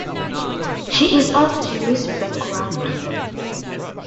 She is of Jewish background.